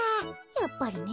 やっぱりね。